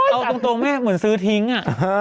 เอาตรงแม่เหมือนซื้อทิ้งอ่ะ